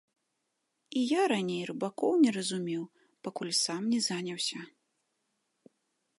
І я раней рыбакоў не разумеў, пакуль сам не заняўся.